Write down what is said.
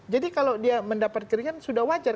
jadi kalau dia mendapat keringan sudah wajar